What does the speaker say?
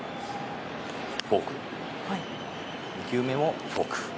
フォーク２球目もフォーク。